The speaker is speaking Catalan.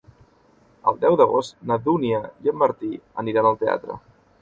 El deu d'agost na Dúnia i en Martí aniran al teatre.